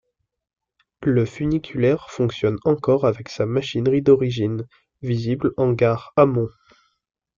Le funiculaire fonctionne encore avec sa machinerie d'origine, visible en gare amont.